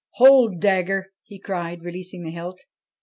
Hold dagger !' he cried, releasing the hilt.